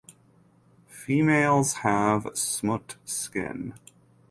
Females have smoot skin.